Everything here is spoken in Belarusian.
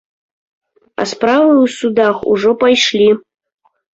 А справы ў судах ужо пайшлі!